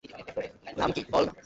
নাম কি, বল না!